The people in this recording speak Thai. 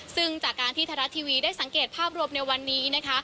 ซึ่งจากการที่ไทยรัฐทีวีได้สังเกตภาพรวมในวันนี้นะคะ